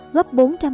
góp một triệu